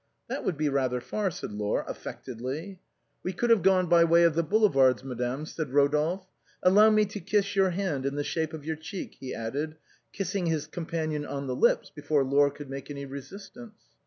" That would be rather far/' said Laure, affectedly. "We could have gone by way of the Boulevards, ma dame," said Rodolphe. " Allow me to kiss your hand in the shape of your cheek," he added, kissing his companion on the lips before Laure could make any resistance.